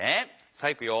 さあいくよ。